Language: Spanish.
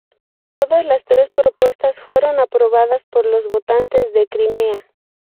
Todas las tres propuestas fueron aprobadas por los votantes de Crimea.